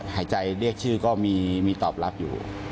หายใจเรียกชื่อก็มีตอบรับอยู่